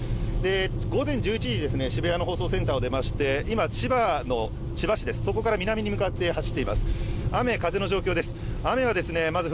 午前１１時、渋谷の放送センターを出まして千葉市です、そこから南に向かって走っています。